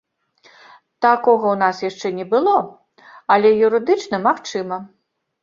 Такога ў нас яшчэ не было, але юрыдычна магчыма.